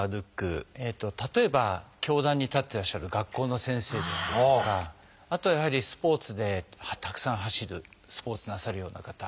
例えば教壇に立ってらっしゃる学校の先生だったりとかあとはやはりスポーツでたくさん走るスポーツなさるような方。